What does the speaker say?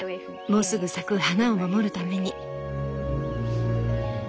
もうすぐ咲く花を守るために。